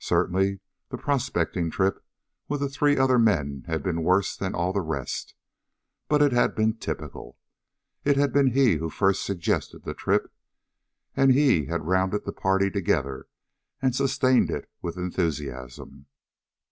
Certainly the prospecting trip with the three other men had been worse than all the rest, but it had been typical. It had been he who first suggested the trip, and he had rounded the party together and sustained it with enthusiasm.